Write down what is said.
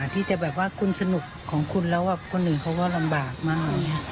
ที่จะแบบว่าคุณสนุกของคุณแล้วคนอื่นเขาก็ลำบากมาก